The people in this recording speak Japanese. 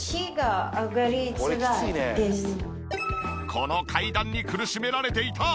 この階段に苦しめられていた。